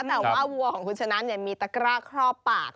แต่ว่าวัวของคุณชนะมีตะกร้าครอบปาก